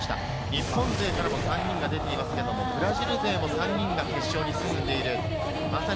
日本勢では３人出ていますが、ブラジル勢も３人が決勝に進んでいます。